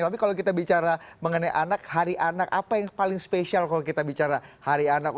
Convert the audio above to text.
tapi kalau kita bicara mengenai anak hari anak apa yang paling spesial kalau kita bicara hari anak